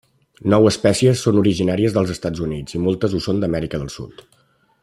Nou espècies són originàries dels Estats Units i moltes ho són d'Amèrica del Sud.